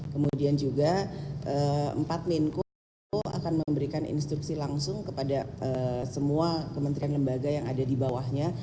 kemudian juga empat menko itu akan memberikan instruksi langsung kepada semua kementerian lembaga yang ada di bawahnya